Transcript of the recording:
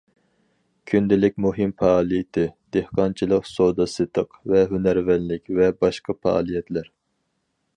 كۈندىلىك مۇھىم پائالىيىتى: دېھقانچىلىق، سودا- سېتىق، ھۈنەرۋەنلىك ۋە باشقا پائالىيەتلەر.